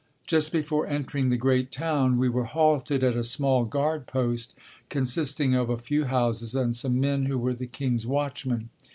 Just before entering the great town we were halted at a small guard post consisting of a few houses and some men who were the king's watchmen.